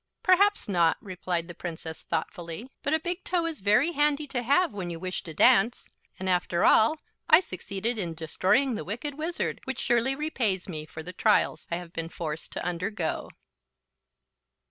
"Perhaps not," replied the Princess, thoughtfully; "but a big toe is very handy to have when you wish to dance; and, after all, I succeeded in destroying the Wicked Wizard, which surely repays me for the trials I have been forced to undergo."